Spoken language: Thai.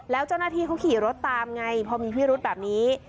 แล้วเจ้าหน้าที่เขาขี่รถตามไงพอมีพิรุธแบบนี้